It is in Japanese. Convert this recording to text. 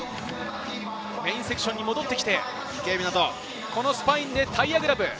メインセクションに戻ってこのスパインでタイヤグラブ。